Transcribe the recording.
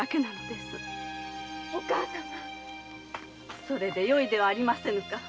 お母様それでよいではありませぬか。